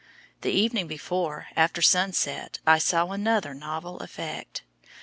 The evening before, after sunset, I saw another novel effect.